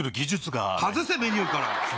外せ、メニューから。